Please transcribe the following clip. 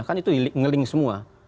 kan itu ngeling semua